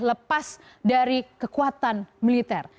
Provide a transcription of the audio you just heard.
lepas dari kekuatan militer